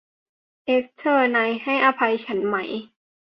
เอสเตอร์ นายให้อภัยฉันไหม